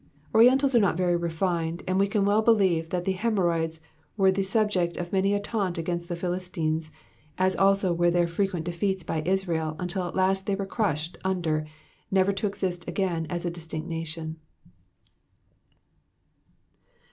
Orientals are not very refined, and we can well believe that the hemorrhoids were the subject of many a taunt against the Philistines, as also were their frequent defeats by Israel until at last they were crushed under, never to exist again as a distinct nation.